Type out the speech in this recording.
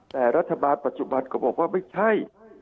แต่รัฐบาลปัจจุบันก็บอกว่าไม่ใช่